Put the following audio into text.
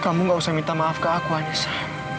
kamu gak usah minta maaf ke aku anissa